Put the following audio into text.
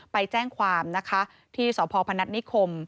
ไปแจ้งความที่สพนิคม